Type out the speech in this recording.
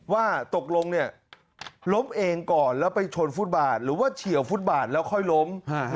ว่าตกลงเนี่ยล้มเองก่อนแล้วไปชนฟุตบาทหรือว่าเฉียวฟุตบาทแล้วค่อยล้ม